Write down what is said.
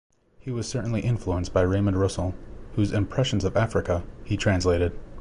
He was certainly influenced by Raymond Roussel, whose "Impressions of Africa" he translated.